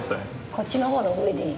こっちの方の上でいい。